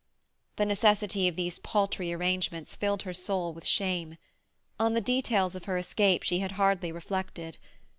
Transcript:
The necessity of these paltry arrangements filled her soul with shame. On the details of her escape she had hardly reflected.